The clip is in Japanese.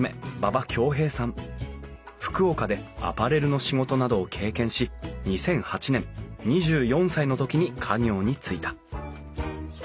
福岡でアパレルの仕事などを経験し２００８年２４歳の時に家業に就いた。